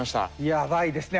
やばいですね。